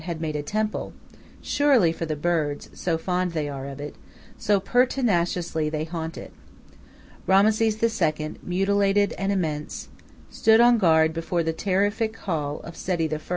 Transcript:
had made a temple, surely for the birds, so fond they are of it, so pertinaciously they haunt it. Rameses II., mutilated and immense, stood on guard before the terrific hall of Seti I.